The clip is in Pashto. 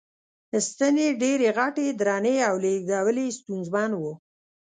ستنې ډېرې غټې، درنې او لېږدول یې ستونزمن و.